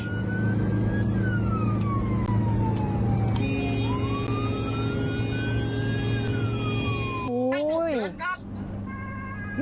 คนไข้ฉุกเฉินครับ